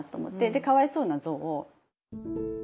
で「かわいそうなぞう」を。